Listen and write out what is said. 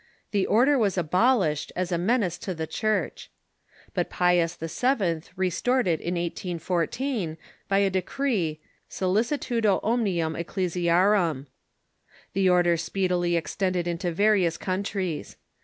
the order was abolished as a menace to the Church. But Pius VII. restored it in 1814 by a decree — SoUicitudo omnium ecclesiarum. The order speedily ex tended into various countries.